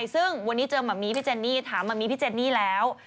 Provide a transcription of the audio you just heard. ซึ่งวันนี้เจอมะมี่พี่เจนนี่ถามมะมี่พี่เจนนี่แล้ว